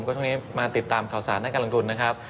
ก็ช่วงนี้มาติดตามข่าวสารด้านการลงทุนนะครับ